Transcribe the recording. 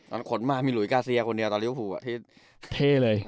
ตอนขนมามีหลุยกาเซียคนเดียวตอนริวพูล